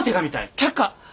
却下！